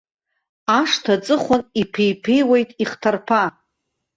Ашҭа аҵыхәан иԥеиԥеиуеит ихҭарԥа.